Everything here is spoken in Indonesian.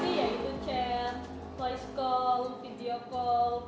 selain untuk komunikasi yaitu chat voice call video call